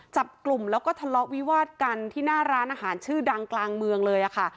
จับกลุ่มแล้วก็ทะเลาะวิวาดกันที่หน้าร้านอาหารชื่อดังกลางเมืองเลยค่ะ